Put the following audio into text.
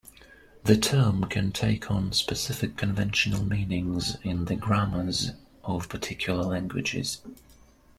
The term can take on specific conventional meanings in the grammars of particular languages.